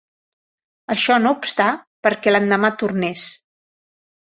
Això no obstà perquè l'endemà tornés.